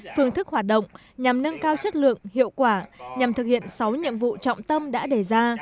phương thức hoạt động nhằm nâng cao chất lượng hiệu quả nhằm thực hiện sáu nhiệm vụ trọng tâm đã đề ra